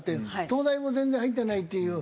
東大も全然入ってないっていう。